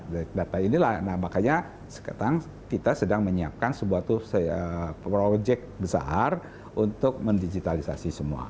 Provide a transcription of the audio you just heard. big data inilah makanya kita sedang menyiapkan sebuah project besar untuk mendigitalisasi semua